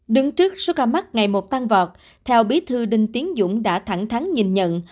đứng trước số ca mắc ngày một tăng vọt theo bí thư đinh tiến dũng đã thẳng thắng nhìn nhận